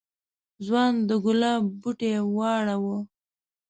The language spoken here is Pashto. ځوان د گلاب بوټی واړاوه.